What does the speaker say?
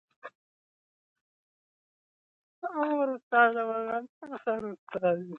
په ازموینو کې د لایقت پر بنسټ بریالي شئ.